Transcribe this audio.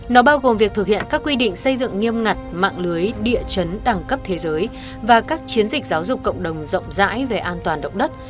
nó bao gồm việc thực hiện các quy định xây dựng nghiêm ngặt mạng lưới địa chấn đẳng cấp thế giới và các chiến dịch giáo dục cộng đồng rộng rãi về an toàn động đất